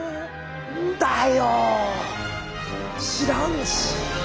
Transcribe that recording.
何だよ知らんし。